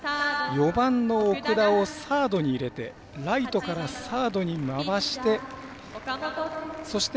４番の奥田をサードに入れてライトからサードに回してそして